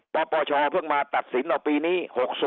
ปปชเพิ่งมาตัดสินเอาปีนี้๖๐